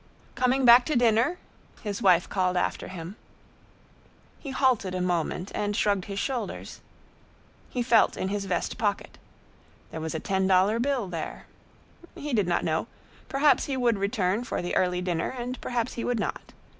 "Coming back to dinner?" his wife called after him. He halted a moment and shrugged his shoulders. He felt in his vest pocket; there was a ten dollar bill there. He did not know; perhaps he would return for the early dinner and perhaps he would not.